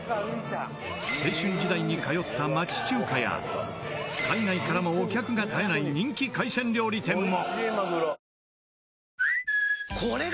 青春時代に通った町中華や海外からもお客が絶えない人気海鮮料理店も